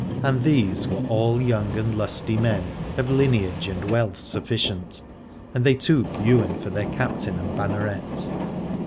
And these were all young and lusty men, of lineage and wealth sufficient, and they took Ywain for their captain and banneret.